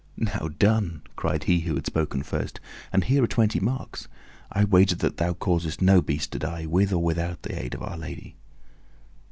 "Now done!" cried he who had spoken first. "And here are twenty marks. I wager that thou causest no beast to die, with or without the aid of Our Lady."